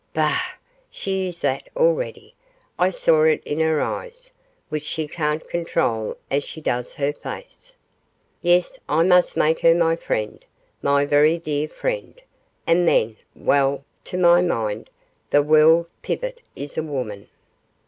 Bah! she is that already; I saw it in her eyes, which she can't control as she does her face. Yes, I must make her my friend; my very dear friend and then well, to my mind, the world pivot is a woman.